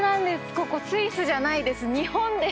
ここスイスじゃないです日本です！